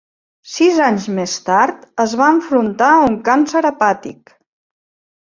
Sis anys més tard es va enfrontar a un càncer hepàtic.